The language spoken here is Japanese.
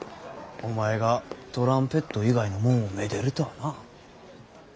お前がトランペット以外のもんをめでるとはな。